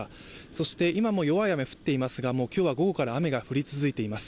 そして、今も弱い雨降っていますが今日は午後から雨が降り続いています。